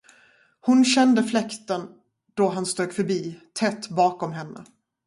Hon kände fläkten, då han strök förbi, tätt bakom henne.